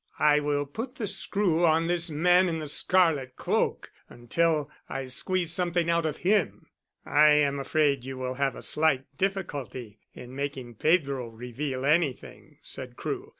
"I will put the screw on this man in the scarlet cloak until I squeeze something out of him." "I am afraid you will have a slight difficulty in making Pedro reveal anything," said Crewe.